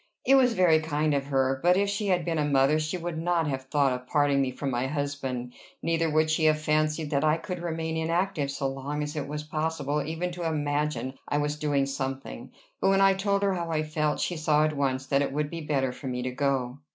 It was very kind of her; but if she had been a mother she would not have thought of parting me from my husband; neither would she have fancied that I could remain inactive so long as it was possible even to imagine I was doing something; but when I told her how I felt, she saw at once that it would be better for me to go.